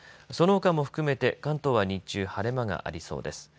そのほかも含めて関東は日中、晴れ間がありそうです。